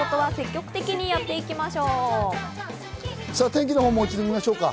天気のほう、もう一度、見ましょうか。